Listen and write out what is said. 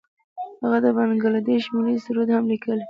هغه د بنګله دیش ملي سرود هم لیکلی.